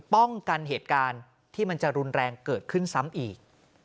ป้องกันเหตุการณ์ที่มันจะรุนแรงเกิดขึ้นซ้ำอีก